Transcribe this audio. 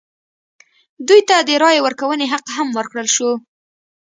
دوی ته د رایې ورکونې حق هم ورکړل شو.